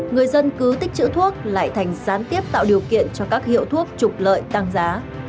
người dân cứ tích chữ thuốc lại thành gián tiếp tạo điều kiện cho các hiệu thuốc trục lợi tăng giá